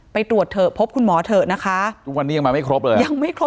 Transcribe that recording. ไปตรวจเถอะพบคุณหมอเถอะนะคะทุกวันนี้ยังมาไม่ครบเลยยังไม่ครบ